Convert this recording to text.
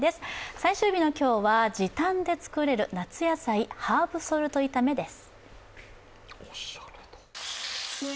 最終日の今日は時短で作れる夏野菜ハーブソルト炒めです。